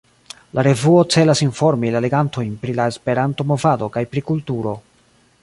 La revuo celas informi la legantojn pri la Esperanto-movado kaj pri kulturo.